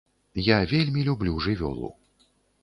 Я вельмі люблю жывёлу.